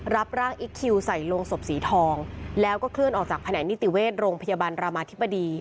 รับร่างอิ๊กคิวใส่ลงศพสีทองแล้วก็เคลื่อนออกจากแผนกนิติเวชโรงพยาบาลรามาธิบดี